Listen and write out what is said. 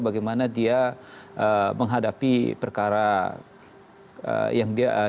bagaimana dia menghadapi perkara